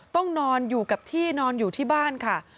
ต้องนอนอยู่กับที่นอนอยู่ที่บ้านค่ะ